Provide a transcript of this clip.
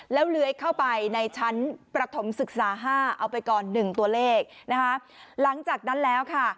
แล้วเลื้อยเข้าไปในชั้นประถมศึกษาห้าเอาไปก่อนหนึ่งตัวเลขนะคะหลังจากนั้นแล้วค่ะ